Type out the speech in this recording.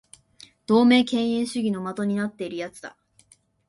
同盟敬遠主義の的になっている奴だ